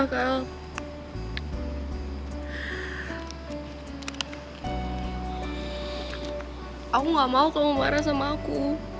aku gak mau kamu marah sama aku